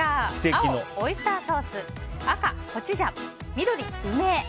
青、オイスターソース赤、コチュジャン緑、梅。